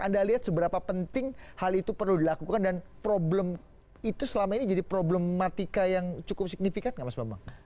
anda lihat seberapa penting hal itu perlu dilakukan dan problem itu selama ini jadi problematika yang cukup signifikan nggak mas bambang